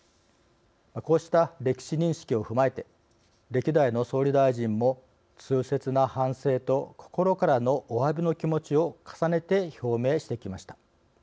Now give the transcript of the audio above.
こうした歴史認識を踏まえて歴代の総理大臣も痛切な反省と心からのおわびの気持ちを重ねて表明してきました。